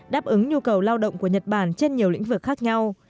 đáp ứng nhu cầu lao động của nhật bản trên nhiều lĩnh vực khác nhau